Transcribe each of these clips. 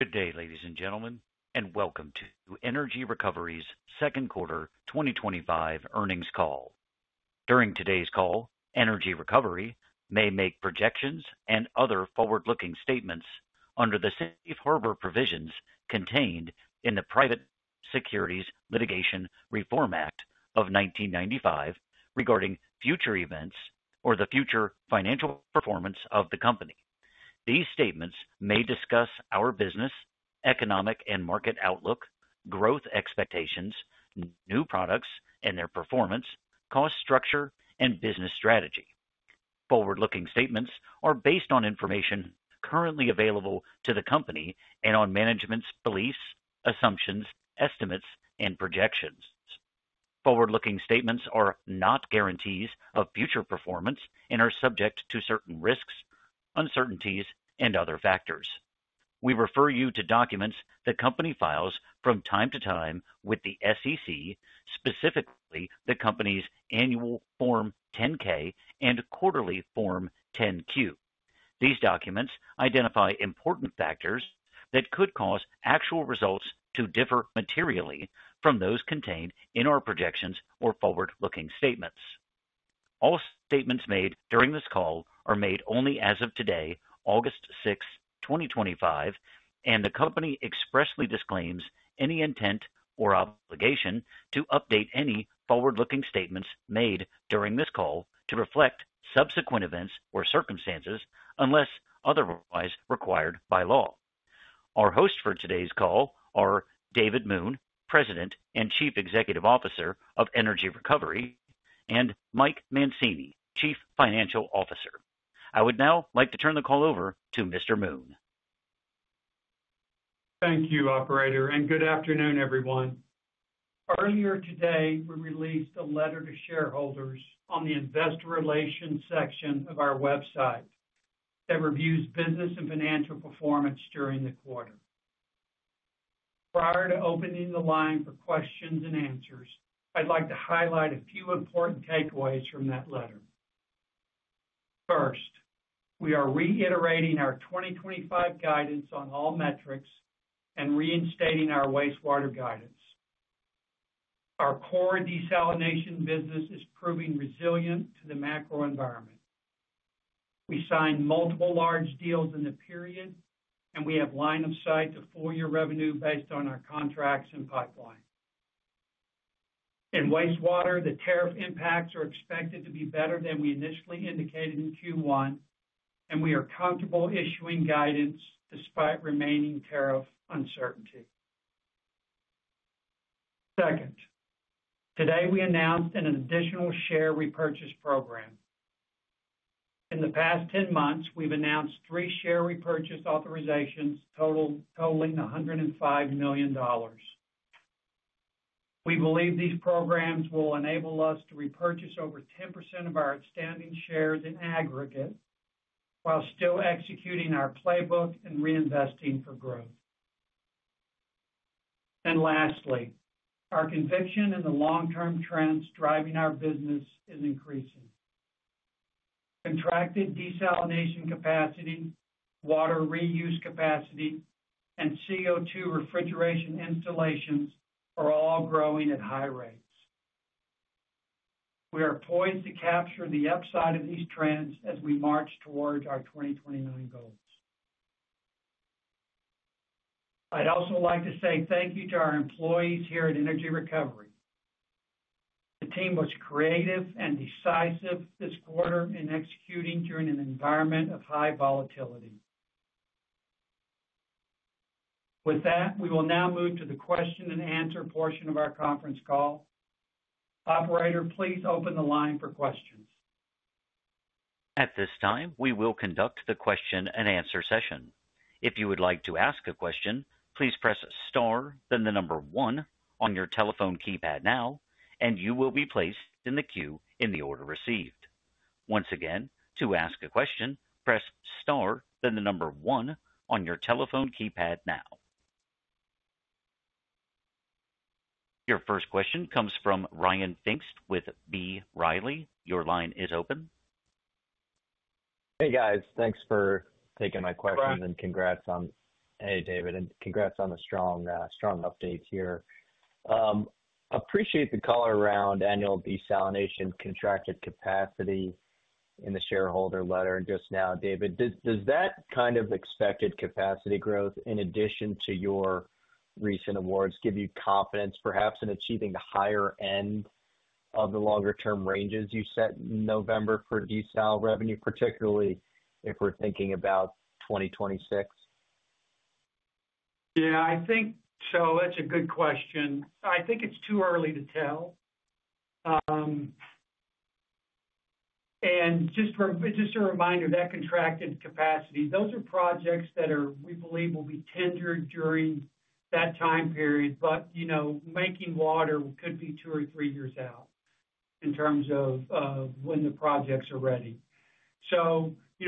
Good day, ladies and gentlemen, and welcome to Energy Recovery's Second Quarter 2025 Earnings Call. During today's call, Energy Recovery may make projections and other forward-looking statements under the Safe Harbor provisions contained in the Private Securities Litigation Reform Act of 1995 regarding future events or the future financial performance of the company. These statements may discuss our business, economic and market outlook, growth expectations, new products and their performance, cost structure, and business strategy. Forward-looking statements are based on information currently available to the company and on management's beliefs, assumptions, estimates, and projections. Forward-looking statements are not guarantees of future performance and are subject to certain risks, uncertainties, and other factors. We refer you to documents the company files from time to time with the SEC, specifically the company's Annual Form 10-K and Quarterly Form 10-Q. These documents identify important factors that could cause actual results to differ materially from those contained in our projections or forward-looking statements. All statements made during this call are made only as of today, August 6, 2025, and the company expressly disclaims any intent or obligation to update any forward-looking statements made during this call to reflect subsequent events or circumstances unless otherwise required by law. Our hosts for today's call are David Moon, President and Chief Executive Officer of Energy Recovery, and Mike Mancini, Chief Financial Officer. I would now like to turn the call over to Mr. Moon. Thank you, Operator, and good afternoon, everyone. Earlier today, we released a letter to shareholders on the Investor Relations section of our website that reviews business and financial performance during the quarter. Prior to opening the line for questions and answers, I'd like to highlight a few important takeaways from that letter. First, we are reiterating our 2025 guidance on all metrics and reinstating our wastewater guidance. Our core desalination business is proving resilient to the macro environment. We signed multiple large deals in the period, and we have line of sight to full-year revenue based on our contracts and pipeline. In wastewater, the tariff impacts are expected to be better than we initially indicated in Q1, and we are comfortable issuing guidance despite remaining tariff uncertainty. Today we announced an additional share repurchase program. In the past 10 months, we've announced three share repurchase authorizations, totaling $105 million. We believe these programs will enable us to repurchase over 10% of our expanding shares in aggregate while still executing our playbook and reinvesting for growth. Lastly, our conviction in the long-term trends driving our business is increasing. Contracted desalination capacity, water reuse capacity, and CO2 refrigeration installations are all growing at high rates. We are poised to capture the upside of these trends as we march towards our 2029 goals. I'd also like to say thank you to our employees here at Energy Recovery. The team was creative and decisive this quarter in executing during an environment of high volatility. With that, we will now move to the question and answer portion of our conference call. Operator, please open the line for questions. At this time, we will conduct the question and answer session. If you would like to ask a question, please press star then the number one on your telephone keypad now, and you will be placed in the queue in the order received. Once again, to ask a question, press star then the number one on your telephone keypad now. Your first question comes from Ryan Pfingst with B. Riley Securities. Your line is open. Hey guys, thanks for taking my questions and congrats on, hey David, and congrats on the strong, strong updates here. Appreciate the color around annual desalination contracted capacity in the shareholder letter just now, David. Does that kind of expected capacity growth in addition to your recent awards give you confidence perhaps in achieving the higher end of the longer term ranges you set in November for desal revenue, particularly if we're thinking about 2026? Yeah, I think that's a good question. I think it's too early to tell. Just a reminder, that contracted capacity, those are projects that we believe will be tendered during that time period, but making water could be two or three years out in terms of when the projects are ready.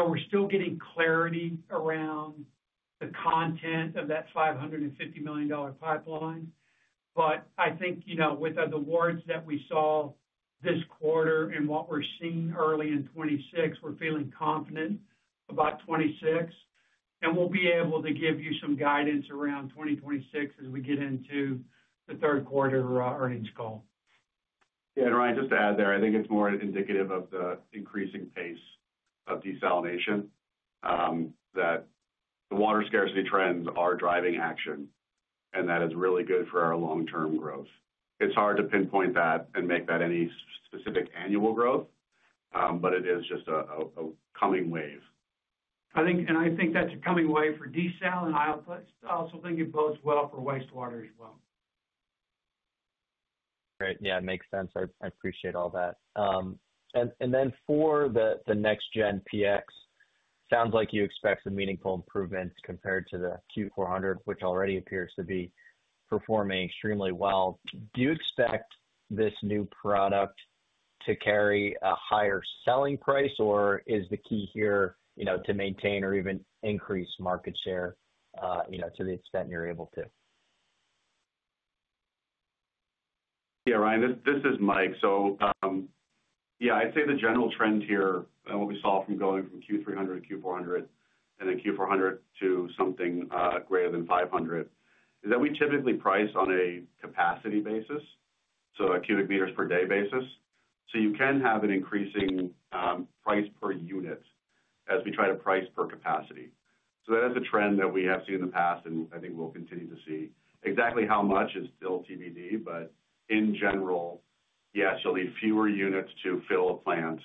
We're still getting clarity around the content of that $550 million pipeline, but I think with the awards that we saw this quarter and what we're seeing early in 2026, we're feeling confident about 2026, and we'll be able to give you some guidance around 2026 as we get into the third quarter earnings call. Yeah, Ryan, just to add there, I think it's more indicative of the increasing pace of desalination, that the water scarcity trends are driving action and that it's really good for our long-term growth. It's hard to pinpoint that and make that any specific annual growth, but it is just a coming wave. I think that's a coming wave for desal, and I also think it bodes well for wastewater as well. Great. Yeah, it makes sense. I appreciate all that. For the next-gen PX, it sounds like you expect some meaningful improvements compared to the Q400, which already appears to be performing extremely well. Do you expect this new product to carry a higher selling price, or is the key here to maintain or even increase market share to the extent you're able to? Yeah, Ryan, this is Mike. I'd say the general trend here and what we saw from going from Q300-Q400 and then Q400 to something greater than 500. We typically price on a capacity basis, so a cubic meters per day basis. You can have an increasing price per unit as we try to price per capacity. That is a trend that we have seen in the past and I think we'll continue to see. Exactly how much is still TBD, but in general, yes, you'll need fewer units to fill a plant,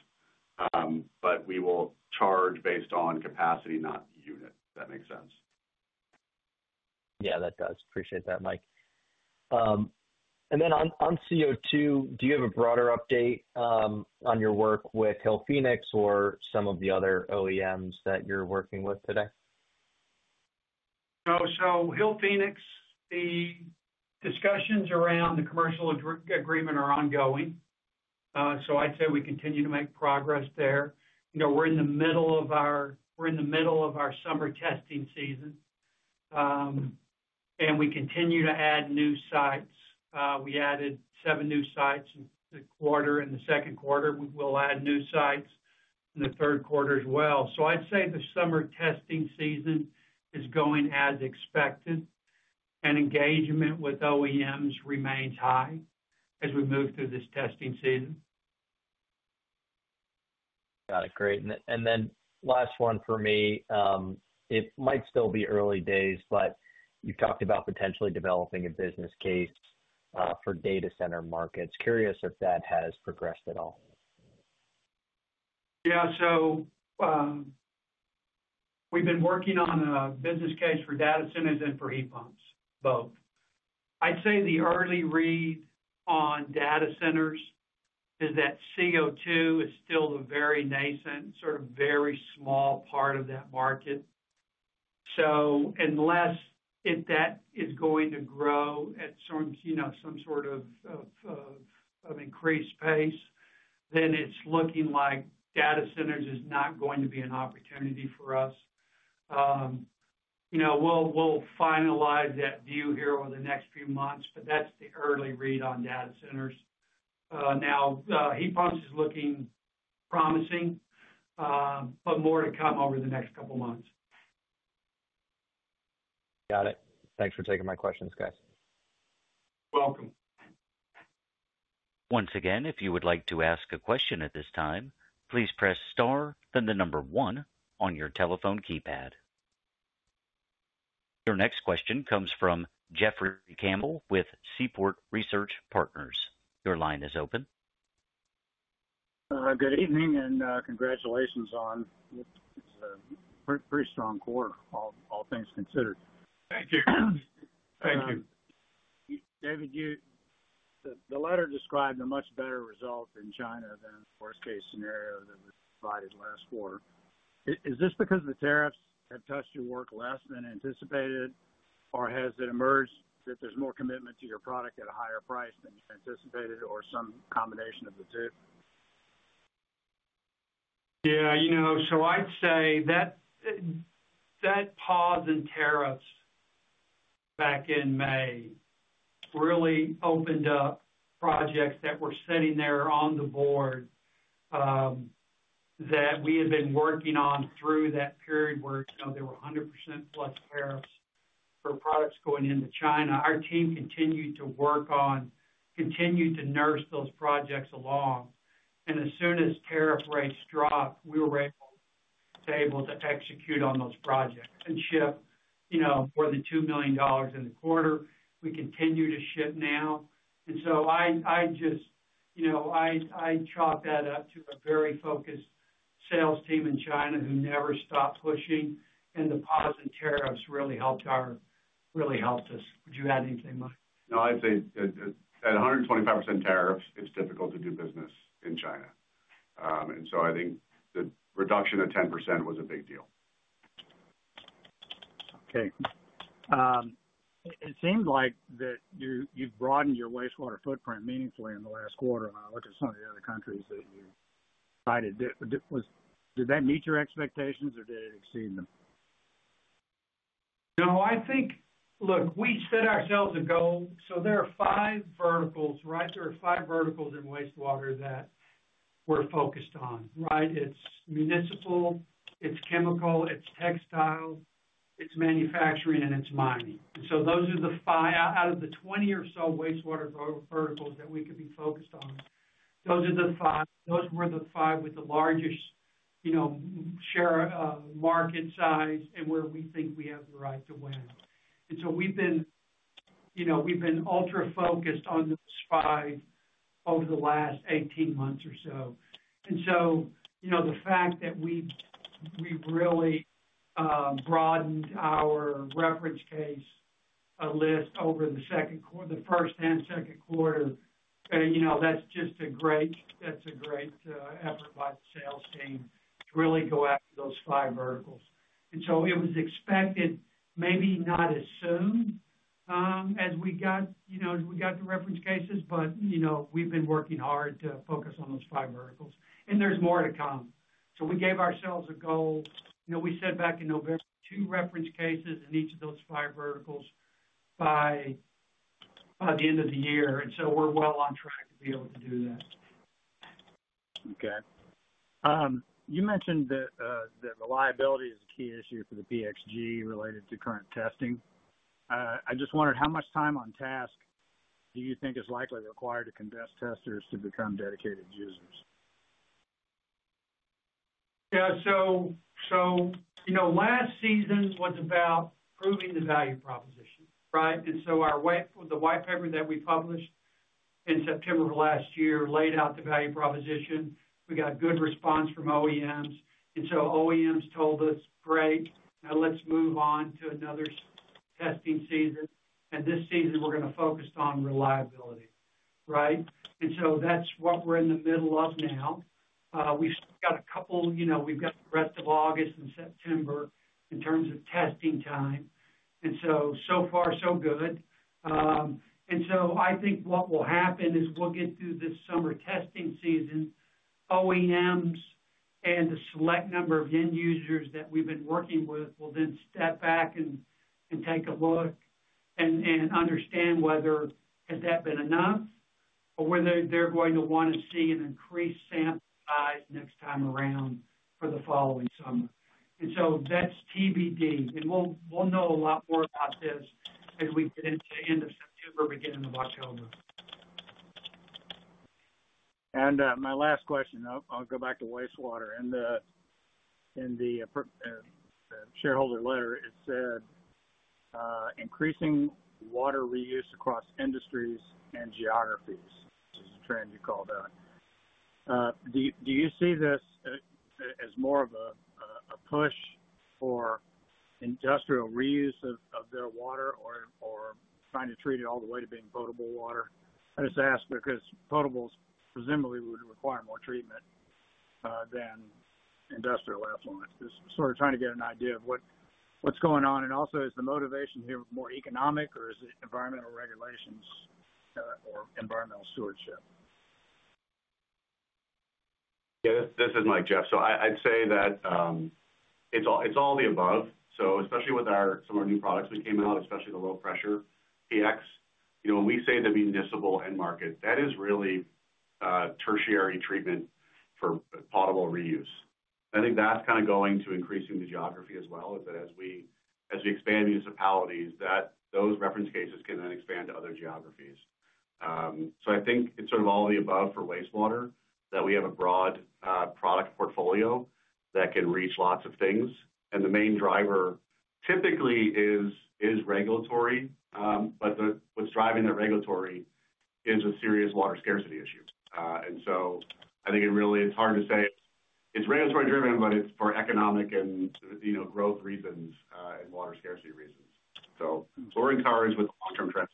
but we will charge based on capacity, not the unit, if that makes sense. Yeah, that does. Appreciate that, Mike. On CO2, do you have a broader update on your work with Hillphoenix or some of the other OEMs that you're working with today? Hillphoenix, the discussions around the commercial agreement are ongoing. I'd say we continue to make progress there. We're in the middle of our summer testing season, and we continue to add new sites. We added seven new sites in the quarter, and in the second quarter, we'll add new sites in the third quarter as well. I'd say the summer testing season is going as expected, and engagement with OEMs remains high as we move through this testing season. Got it. Great. Last one for me, it might still be early days, but you've talked about potentially developing a business case for data center markets. Curious if that has progressed at all. Yeah, we've been working on a business case for data centers and for heat pumps, both. I'd say the early read on data centers is that CO2 is still the very nascent, sort of very small part of that market. Unless that is going to grow at some, you know, some sort of increased pace, it's looking like data centers are not going to be an opportunity for us. We'll finalize that view here over the next few months, but that's the early read on data centers. Now, heat pumps are looking promising, but more to come over the next couple of months. Got it. Thanks for taking my questions, guys. Welcome. Once again, if you would like to ask a question at this time, please press star then the number one on your telephone keypad. Your next question comes from Jeffrey Campbell with Seaport Research Partners. Your line is open. Good evening and congratulations on. It's a pretty strong quarter, all things considered. Thank you. Thank you. David, the letter described a much better result in China than the worst-case scenario that was provided last quarter. Is this because the tariffs have touched your work less than anticipated, or has it emerged that there's more commitment to your product at a higher price than anticipated, or some combination of the two? Yeah, you know, I'd say that pause in tariffs back in May really opened up projects that were sitting there on the board that we had been working on through that period where there were 100%+ tariffs for products going into China. Our team continued to work on, continued to nurse those projects along. As soon as tariff rates dropped, we were able to execute on those projects and ship more than $2 million in the quarter. We continue to ship now. I chalk that up to a very focused sales team in China who never stopped pushing, and the pause in tariffs really helped us. Would you add anything, Mike? No, I'd say at 125% tariffs, it's difficult to do business in China, and so I think the reduction of 10% was a big deal. Okay. It seemed like that you've broadened your wastewater footprint meaningfully in the last quarter. When I looked at some of the other countries that you cited, did that meet your expectations or did it exceed them? I think, look, we set ourselves a goal. There are five verticals, right? There are five verticals in wastewater that we're focused on, right? It's municipal, it's chemical, it's textile, it's manufacturing, and it's mining. Those are the five, out of the 20 or so wastewater verticals that we could be focused on, those are the five, those were the five with the largest share market size and where we think we have the right to win. We've been ultra-focused on those five over the last 18 months or so. The fact that we've really broadened our reference case list over in the second quarter, the first and second quarter, that's just a great effort by the sales team to really go after those five verticals. It was expected, maybe not as soon as we got the reference cases, but we've been working hard to focus on those five verticals. There's more to come. We gave ourselves a goal. We said back in November, two reference cases in each of those five verticals by the end of the year, and we're well on track to be able to do that. Okay. You mentioned that the reliability is a key issue for the PX G1300 related to current testing. I just wondered, how much time on task do you think is likely required to convince testers to become dedicated users? Yeah, last season was about proving the value proposition, right? Our white paper that we published in September of last year laid out the value proposition. We got good response from OEMs. OEMs told us, "Great. Now let's move on to another testing season." This season, we're going to focus on reliability, right? That's what we're in the middle of now. We've got the rest of August and September in terms of testing time. So far, so good. I think what will happen is we'll get through this summer testing season. OEMs and the select number of end users that we've been working with will then step back and take a look and understand whether that has been enough or whether they're going to want to see an increased sample size next time around for the following summer. That's TBD. We'll know a lot more about this as we get into the end of September, beginning of October. My last question, I'll go back to wastewater. In the shareholder letter, it said, "Increasing water reuse across industries and geographies," which is a trend you called out. Do you see this as more of a push for industrial reuse of their water or trying to treat it all the way to being potable water? I just ask because potable presumably would require more treatment than industrial effluents. Just sort of trying to get an idea of what's going on. Also, is the motivation here more economic, or is it environmental regulations or environmental stewardship? Yeah, this is Mike, Jeff. I'd say that it's all the above, especially with some of our new products we came out, especially the low-pressure PX. When we say the municipal end market, that is really tertiary treatment for potable reuse. I think that's kind of going to increase the geography as well, as we expand municipalities, those reference cases can then expand to other geographies. I think it's sort of all the above for wastewater, that we have a broad product portfolio that can reach lots of things. The main driver typically is regulatory, but what's driving that regulatory is a serious water scarcity issue. I think it really, it's hard to say it's regulatory-driven, but it's for economic and, you know, growth reasons and water scarcity reasons. We're encouraged with the long-term trend.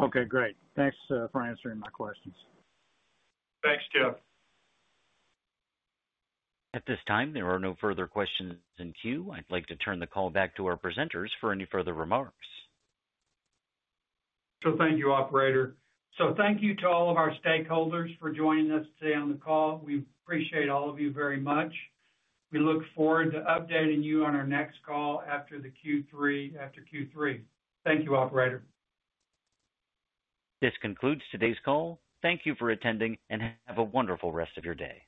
Okay, great. Thanks for answering my questions. Thanks, Jeff. At this time, there are no further questions in queue. I'd like to turn the call back to our presenters for any further remarks. Thank you, Operator. Thank you to all of our stakeholders for joining us today on the call. We appreciate all of you very much. We look forward to updating you on our next call after Q3. Thank you, Operator. This concludes today's call. Thank you for attending and have a wonderful rest of your day..